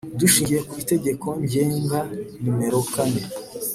Dushingiye ku Itegeko Ngenga nimero kane